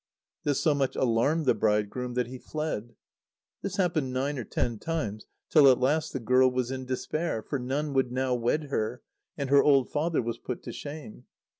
This so much alarmed the bridegroom that he fled. This happened nine or ten times, till at last the girl was in despair; for none would now wed her, and her old father was put to shame.